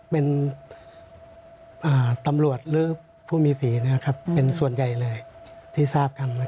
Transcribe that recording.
เป็นตำรวจหรือผู้มีสีนะครับเป็นส่วนใหญ่เลยที่ทราบกัน